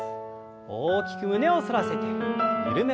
大きく胸を反らせて緩めます。